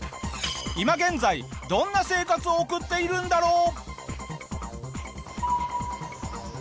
今現在どんな生活を送っているんだろう？